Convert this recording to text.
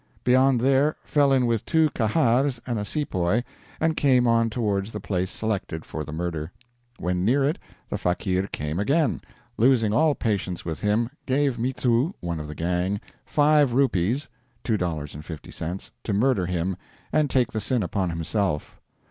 Beyond there, fell in with two Kahars and a sepoy, and came on towards the place selected for the murder. When near it, the fakeer came again. Losing all patience with him, gave Mithoo, one of the gang, 5 rupees ($2.50) to murder him, and take the sin upon himself.